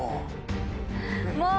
もう。